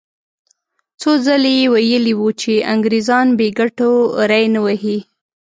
څو ځلې یې ویلي وو چې انګریزان بې ګټو ری نه وهي.